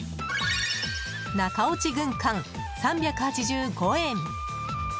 中落ち軍艦、３８５円。